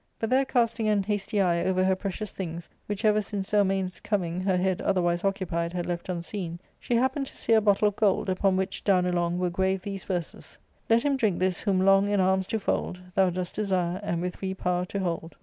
But there casting an hasty eye over her precious things, which ever since Zelmane's coming, her head otherwise occupied, had left unseen, she happened to see a bottle of gold, upon which down along were graved these verses —Let him drink this whom long in arms to fold Thou dost desire, and with free power to hold."